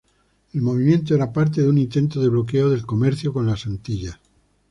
El movimiento era parte de un intento de bloqueo del comercio con las Antillas.